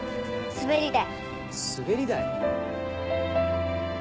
滑り台？